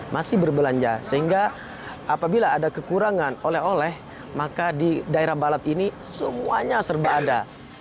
masih berbelanja sehingga apabila ada kekurangan oleh oleh maka di daerah balat ini semuanya serba ada